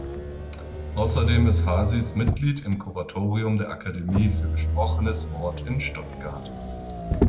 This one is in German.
Außerdem ist Haasis Mitglied im Kuratorium der Akademie für gesprochenes Wort in Stuttgart.